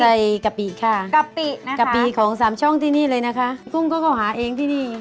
กะปิค่ะกะปินะกะปิของสามช่องที่นี่เลยนะคะกุ้งก็เขาหาเองที่นี่